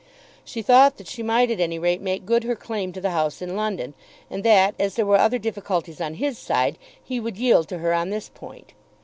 She thought that she might at any rate make good her claim to the house in London; and that as there were other difficulties on his side, he would yield to her on this point.